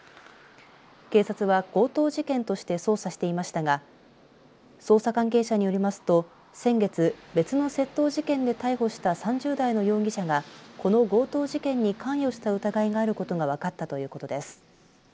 警察は強盗事件として捜査していましたが捜査関係者によりますと先月別の窃盗事件で逮捕した３０代の容疑者がこの強盗事件に関与した疑いがあることが分かったということです。